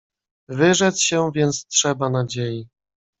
"Wyrzec się więc trzeba nadziei."